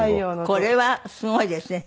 これはすごいですね。